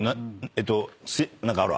えっと何かある？